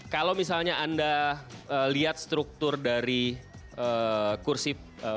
kalau misalnya anda lihat struktur dari kursi